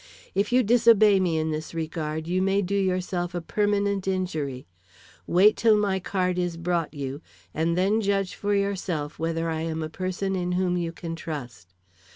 If you disobey me in this regard you may do yourself a permanent injury. Wait till my card is brought you, and then judge for yourself whether I am a person in whom you can trust.